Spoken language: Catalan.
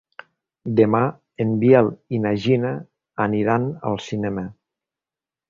Demà en Biel i na Gina aniran al cinema.